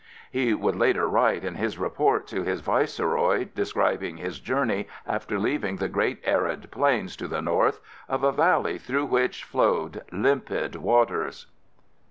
He would later write, in his report to his Viceroy describing his journey after leaving the great arid plains to the north, of a valley through which flowed "limpid waters."